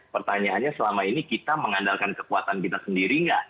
pertanyaannya selama ini kita mengandalkan kekuatan kita sendiri nggak